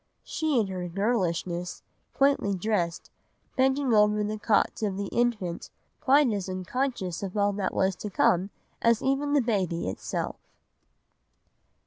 She in her girlishness, quaintly dressed, bending over the cot of the infant, quite as unconscious of all that was to come as even the baby itself!